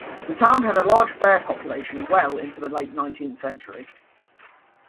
The town had a large bear population well into the late nineteenth century.